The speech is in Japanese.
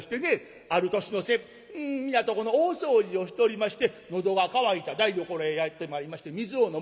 ある年の瀬皆とこの大掃除をしておりまして喉が乾いた台所へやって参りまして水を飲もう。